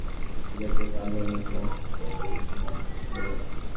ইটভাটাটি স্থাপন করা হলে শিক্ষার্থীদের নানা ধরনের সমস্যাসহ পরিবেশের মারাত্মক ক্ষতি হবে।